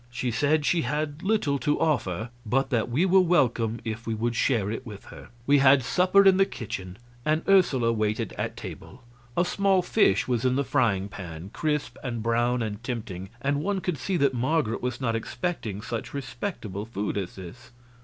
She said she had little to offer, but that we were welcome if we would share it with her. We had supper in the kitchen, and Ursula waited at table. A small fish was in the frying pan, crisp and brown and tempting, and one could see that Marget was not expecting such respectable food as this.